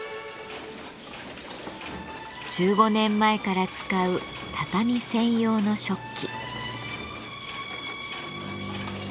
１５年前から使う畳専用の織機。